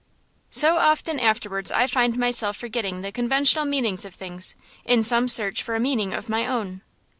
So often afterwards I find myself forgetting the conventional meanings of things, in some search for a meaning of my own.